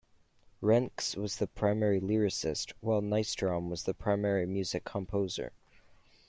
Renkse was the primary lyricist, while Nystrom was the primary music composer.